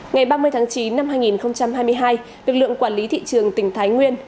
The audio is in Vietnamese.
ngày ba mươi tháng chín năm hai nghìn hai mươi hai lực lượng quản lý thị trường tỉnh thái nguyên